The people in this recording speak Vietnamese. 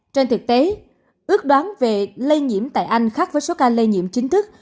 trên thực tế ước đoán về lây nhiễm tại anh khác với số ca lây nhiễm chính thức